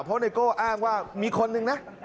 เพราะไนโก้อ้างว่ามีคนหนึ่งนะ